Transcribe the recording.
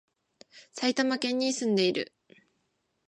埼玉県に、住んでいる